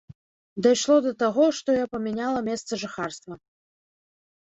Дайшло да таго, што я памяняла месца жыхарства.